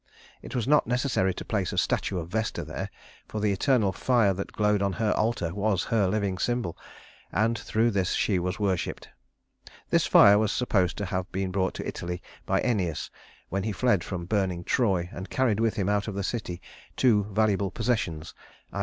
It was not necessary to place a statue of Vesta here, for the eternal fire that glowed on her altar was her living symbol, and through this she was worshiped. This fire was supposed to have been brought to Italy by Æneas when he fled from burning Troy and carried with him out of the city two valuable possessions, _i.